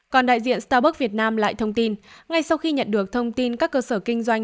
còn đại diện startburg việt nam lại thông tin ngay sau khi nhận được thông tin các cơ sở kinh doanh